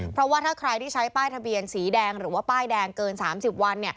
เพราะว่าถ้าใครที่ใช้ป้ายทะเบียนสีแดงหรือว่าป้ายแดงเกิน๓๐วัน